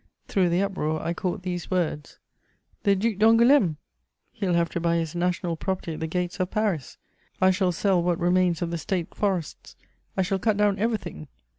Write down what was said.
Through the uproar I caught these words: "The Duc d'Angoulême? He'll have to buy his national property at the gates of Paris. I shall sell what remains of the State forests. I shall cut down everything.